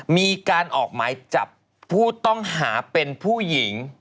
มีการออกหมายจับผู้ต้องหาเป็นผู้หญิง